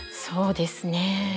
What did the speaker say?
そうですね。